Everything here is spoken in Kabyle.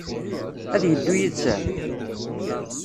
Ad yeddu yid-sen?